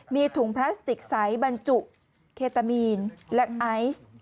มีถุงพลาสติกใสบรรจุเคตามีนและไอซ์